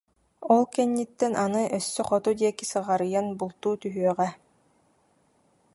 Ол кэнниттэн аны өссө хоту диэки сыҕарыйан бултуу түһүөҕэ